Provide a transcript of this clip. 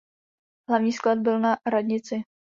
Hlavní sklad byl na radnici.